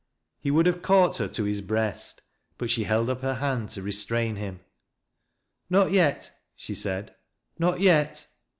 He would ha^e caught her to his breast, but she held ttp her hand to restrain him. " Not yet," she said, " not yet.